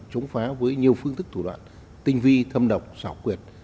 chống phá với nhiều phương thức thủ đoạn tinh vi thâm độc xảo quyệt